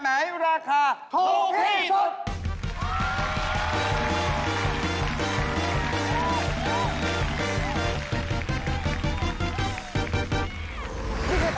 มึงไปถูก